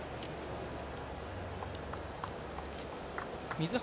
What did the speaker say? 水原